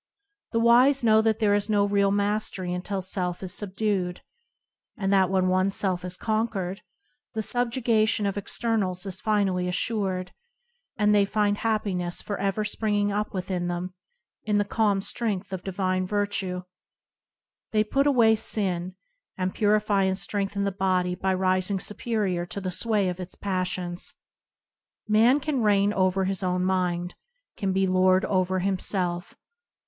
The wise know that there is no real mastery until self is subdued, that when oneself is conquered, the subjugation of externals is finally as sured, and they find happiness for ever springing up within them, in the calm strength of divine virtue. They put away sin, and purify and strengthen the body by rising superior to the sway of its passions. Man can reign over his own mind; can be lord over himself.